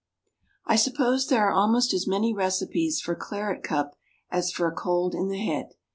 I suppose there are almost as many recipes for claret cup as for a cold in the head.